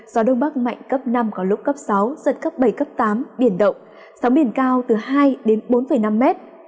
gió đông bắc mạnh cấp năm có lúc cấp sáu giật cấp bảy cấp tám biển động sóng biển cao từ hai đến bốn năm mét